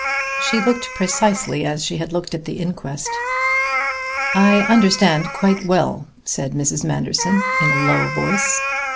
She looked precisely as she had looked at the inquest. "I understand quite well," said Mrs. Manderson in a low voice.